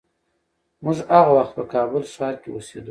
موږ هغه وخت په کابل ښار کې اوسېدو.